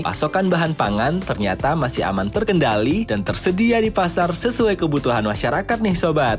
pasokan bahan pangan ternyata masih aman terkendali dan tersedia di pasar sesuai kebutuhan masyarakat nih sobat